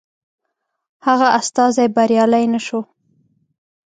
هغه استازی بریالی نه شو.